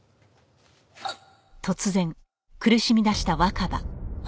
あっ！